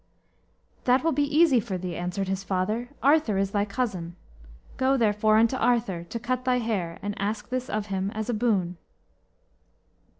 "That will be easy for thee," answered his father. "Arthur is thy cousin. Go, therefore, unto Arthur, to cut thy hair, and ask this of him as a boon."